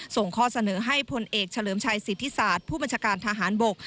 ส่งข้อเสนอให้พลเอกเฉลิมชัยสิทธิศาสตร์ผู้บัญชาการทหารบก